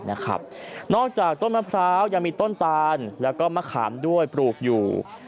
นอกจากต้นมะพร้าวยังมีต้นตานแล้วก็มะขามด้วยปลูกอยู่